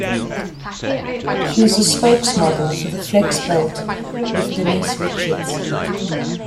She is a spokesmodel for The Flex Belt with Denise Richards.